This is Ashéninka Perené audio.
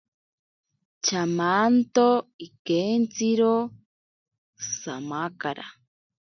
Chamanto ikentziro samakara.